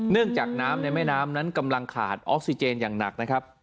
จากน้ำในแม่น้ำนั้นกำลังขาดออกซิเจนอย่างหนักนะครับ